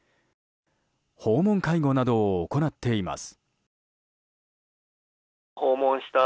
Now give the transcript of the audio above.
訪問介護などを行っています。